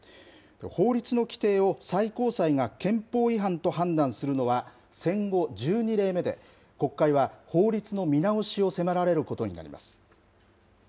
法律の規定を最高裁が憲法違反と判断するのは戦後１２例目で、国会は法律の見直しを迫られることになります。